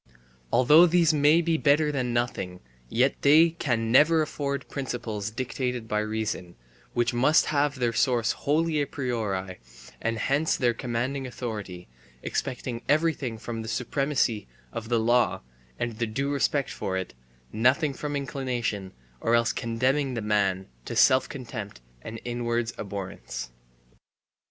Although these may be better than nothing, yet they can never afford principles dictated by reason, which must have their source wholly a priori and thence their commanding authority, expecting everything from the supremacy of the law and the due respect for it, nothing from inclination, or else condemning the man to self contempt and inward abhorrence.